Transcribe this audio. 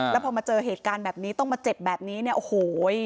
แล้วพอมาเจอเหตุการณ์แบบนี้ต้องมาเจ็บแบบนี้เนี่ยโอ้โห